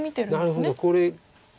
なるほどこれ。